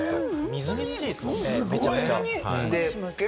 みずみずしいですね。